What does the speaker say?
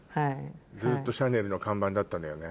ずっとシャネルの看板だったのよね。